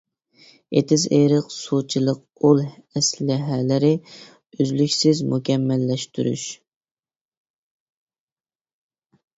ئېتىز-ئېرىق سۇچىلىق ئۇل ئەسلىھەلىرى ئۈزلۈكسىز مۇكەممەللەشتۈرۈش.